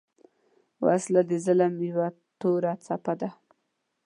وسله د ظلم یو توره څپه ده